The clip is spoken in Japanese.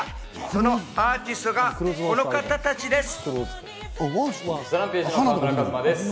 そのアーティストがこの方たちです。